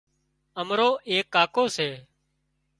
امرو ايڪ ڪاڪو سي